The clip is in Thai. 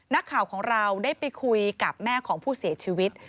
นักข่าวของเราได้ไปคุยกับแม่ของผู้เสียชีวิต